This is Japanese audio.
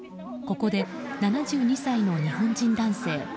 ここで、７２歳の日本人男性